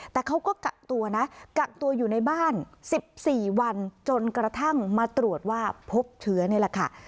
แต่เขาก็กักตัวนะกักตัวอยู่ในบ้าน๑๔วันจนกระทั่งมาตรวจว่าพบเชื้อนี่แหละค่ะ